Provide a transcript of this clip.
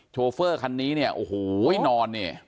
โฟเฟอร์คันนี้เนี่ยโอ้โหนอนเนี่ย